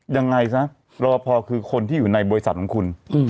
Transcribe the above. ยังไงซะรอพอคือคนที่อยู่ในบริษัทของคุณ